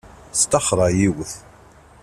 Staxṛeɣ yiwet.